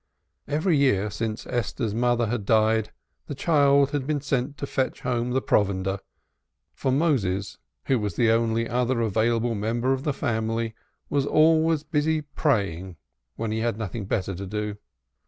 Every year since Esther's mother had died, the child had been sent to fetch home the provender, for Moses, who was the only other available member of the family, was always busy praying when he had nothing better to do.